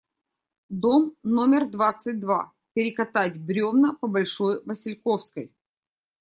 Дом номер двадцать два, перекатать бревна, по Большой Васильковской.